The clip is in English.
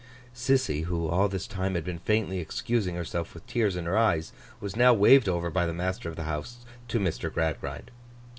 Sissy, who all this time had been faintly excusing herself with tears in her eyes, was now waved over by the master of the house to Mr. Gradgrind.